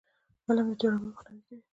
علم د جرایمو مخنیوی کوي.